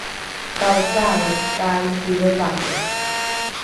kaocae taiki lrevake